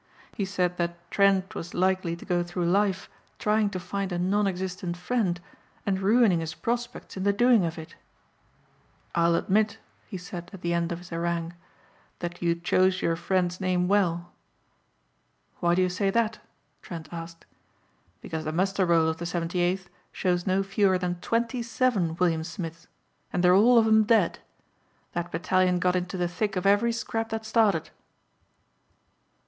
He said that Trent was likely to go through life trying to find a non existent friend and ruining his prospects in the doing of it. "I'll admit," he said at the end of his harangue, "that you choose your friend's name well." "Why do you say that?" Trent asked. "Because the muster roll of the 78th shows no fewer than twenty seven William Smiths and they're all of 'em dead. That battalion got into the thick of every scrap that started."